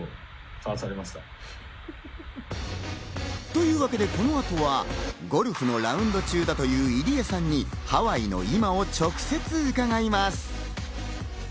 というわけで、この後はゴルフのラウンド中だという入江さんにハワイの今を直接、伺います。